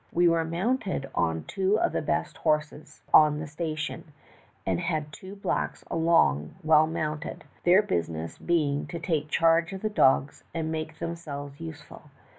We were mounted on two of the best horses on the station, and had two blacks along also well mounted — their busi ness being to take charge of the dogs and make themselves useful.